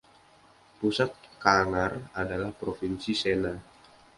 Pusat Kangar adalah Provinsi Sena.